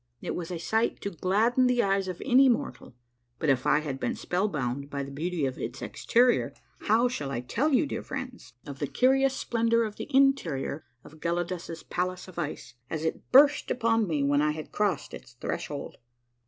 It was a sight to gladden the eyes of any mortal ; but if I had been spellbound by the beauty of its exterior, how shall I tell you, dear friends, of the curious splendor of the interior of Geli dus' palace of ice, as it burst upon me when I had crossed its threshold